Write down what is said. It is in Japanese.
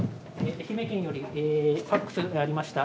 愛媛県よりファックスがありました。